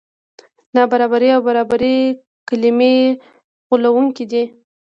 نابرابري او برابري کلمې غولوونکې دي.